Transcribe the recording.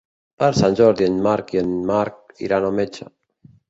Per Sant Jordi en Marc i en Marc iran al metge.